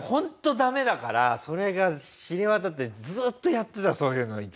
ダメだからそれが知れ渡ってずっとやってたそういうの一時期。